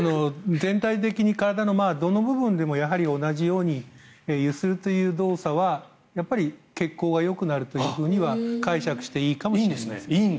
全体的に体のどの部分でもやはり同じように揺するという動作は血行がよくなるとは解釈していいかもしれません。